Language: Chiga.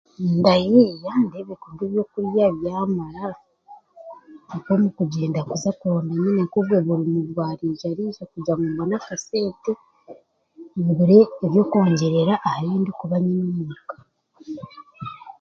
Nimbareeba ndebeeke ngu ebyokurya byamara obumwe n'okugyenda kuza kuronda emirimo nk'okukora oburimo bwa riijariija kugira ngu mbone akasente ngure ebindikwongyerera aha bindikuba nyine omuuka